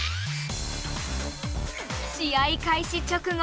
試合開始直後。